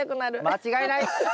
間違いない！